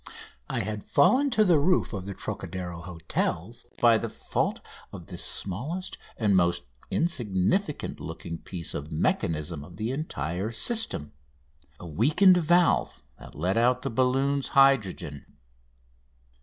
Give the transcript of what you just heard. I had fallen to the roof of the Trocadero hotels by the fault of the smallest and most insignificant looking piece of mechanism of the entire system a weakened valve that let out the balloon's hydrogen.